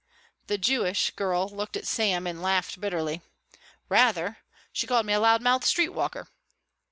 The Jewish girl looked at Sam and laughed bitterly. "Rather; she called me a loud mouthed street walker."